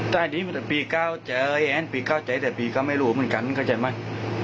ตอนนี้มันเป็นปีเก้าเจยแอ้นปีเก้าเจยแต่ปีเก้าไม่รู้เหมือนกันเข้าใจไหม